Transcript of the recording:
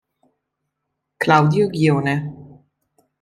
Claudio Ghione